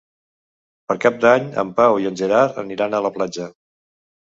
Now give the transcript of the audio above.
Per Cap d'Any en Pau i en Gerard aniran a la platja.